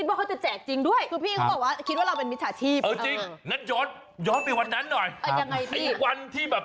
สวัสดีพี่หนุ่ยนะคะสวัสดีครับ